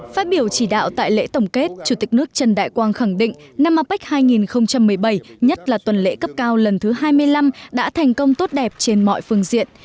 phát biểu chỉ đạo tại lễ tổng kết chủ tịch nước trần đại quang khẳng định năm apec hai nghìn một mươi bảy nhất là tuần lễ cấp cao lần thứ hai mươi năm đã thành công tốt đẹp trên mọi phương diện